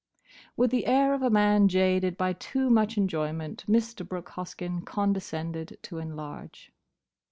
With the air of a man jaded by too much enjoyment Mr. Brooke Hoskyn condescended to enlarge.